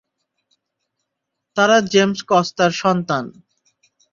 তারা জেমস কস্তার সন্তান।